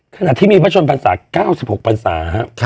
ขนาดที่มีพระชนภาษา๙๖ภาษา